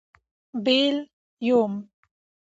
بېل. √ یوم